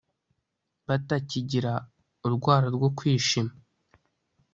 batakigira urwara rwo kwishima